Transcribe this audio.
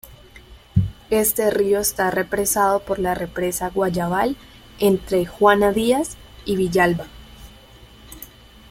Este río está represado por la Represa Guayabal entre Juana Díaz y Villalba.